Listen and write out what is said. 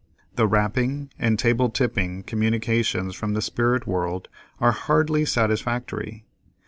The "rapping" and "table tipping" communications from the spirit world are hardly satisfactory.